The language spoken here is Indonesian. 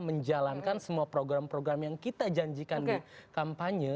menjalankan semua program program yang kita janjikan di kampanye